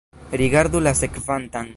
Rigardu la sekvantan.